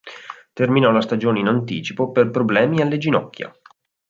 Terminò la stagione in anticipo per problemi alle ginocchia.